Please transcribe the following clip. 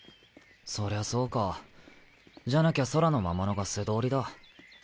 そりゃそうかじゃなきゃ空の魔物が素通りだ。